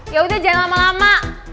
yaudah jangan lama lama